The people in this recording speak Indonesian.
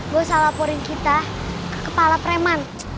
gue salah laporin kita ke kepala preman